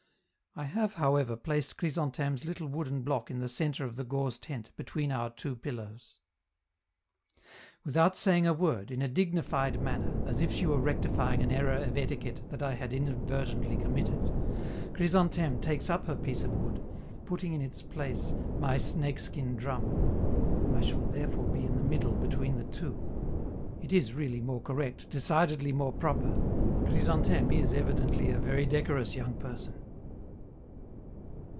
I have, however, placed Chrysantheme's little wooden block in the centre of the gauze tent, between our two pillows. Without saying a word, in a dignified manner, as if she were rectifying an error of etiquette that I had inadvertently committed, Chrysantheme takes up her piece of wood, putting in its place my snake skin drum; I shall therefore be in the middle between the two. It is really more correct, decidedly more proper; Chrysantheme is evidently a very decorous young person.